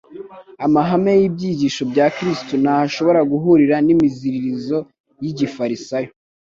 Amahame y'ibyigisho bya Kristo ntaho ashobora guhurira n'imiziririzo ya gifarisayo.